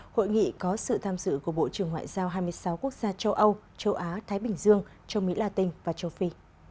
hội nghị có sự tham dự của bộ trưởng ngoại giao hai mươi sáu quốc gia châu âu châu á thái bình dương châu mỹ latin và châu phi